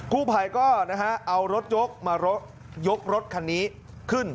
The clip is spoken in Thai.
ครูภัยก็เอารถยกมายกรถคันนี้ขึ้น